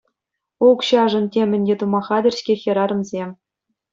Укҫашӑн темӗн те тума хатӗр-ҫке хӗрарӑмсем.